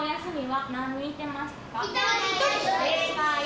はい！